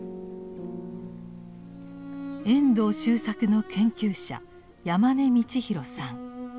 遠藤周作の研究者山根道公さん。